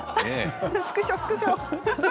スクショスクショ。